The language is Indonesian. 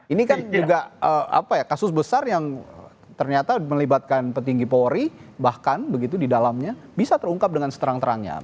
ini kan juga kasus besar yang ternyata melibatkan petinggi polri bahkan begitu di dalamnya bisa terungkap dengan seterang terangnya